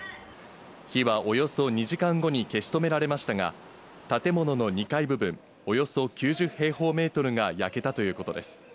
火はおよそ２時間後に消し止められましたが、建物の２階部分およそ９０平方メートルが焼けたということです。